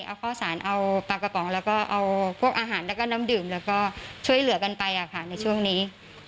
เอาข้าวสารเอาปลากระป๋องแล้วก็เอาพวกอาหารแล้วก็น้ำดื่มแล้วก็ช่วยเหลือกันไปในช่วงนี้